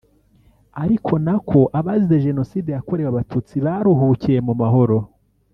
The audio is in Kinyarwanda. ari nako abazize Jenoside yakorewe Abatutsi baruhukiye mu mahoro